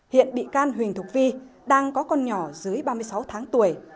hiện bị can huỳnh thục vi đang có con nhỏ dưới ba mươi sáu tháng tuổi